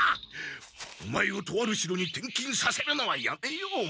オマエをとある城に転勤させるのはやめよう！